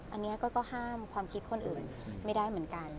อันนี้ก็ห้ามความคิดคนอื่นไม่ได้เหมือนกัน